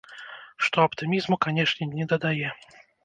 Што аптымізму, канешне, не дадае.